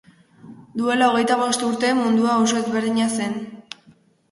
Duela hogeita bost urte mundua oso ezberdina zen.